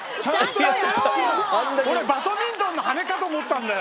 俺バドミントンの羽根かと思ったんだよ。